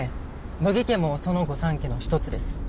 乃木家もその御三家の一つです